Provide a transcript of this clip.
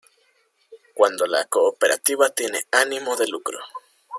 Cuando la cooperativa tiene ánimo de lucro.